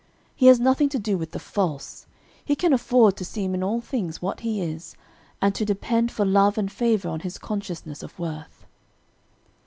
He has nothing to do with the false; he can afford to seem in all things what he is, and to depend for love and favor on his consciousness of worth."